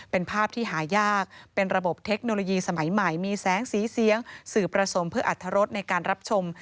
เป็นภาพที่หายากเป็นระบบเทคโนโลยีสมัยใหม่มีแสงสีเสียงสื่อผสมเพื่ออัธรสในการรับชม